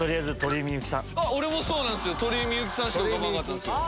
俺もそうなんすよ。